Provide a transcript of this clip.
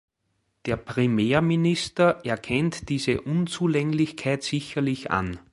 Der Premierminister erkennt diese Unzulänglichkeit sicherlich an.